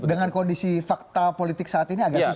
dengan kondisi fakta politik saat ini agak susah